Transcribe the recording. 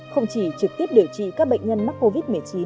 không chỉ trực tiếp điều trị các bệnh nhân mắc covid một mươi chín